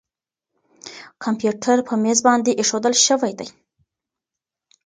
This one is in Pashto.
کمپیوټر په مېز باندې اېښودل شوی دی.